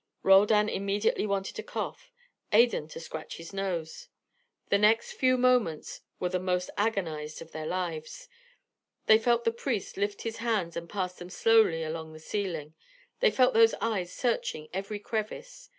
Roldan immediately wanted to cough, Adan to scratch his nose. The next few moments were the most agonised of their lives. They felt the priest lift his hands and pass them slowly along the ceiling, they felt those eyes searching every crevice.